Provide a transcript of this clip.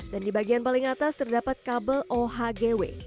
dan di bagian paling atas terdapat kabel ohgw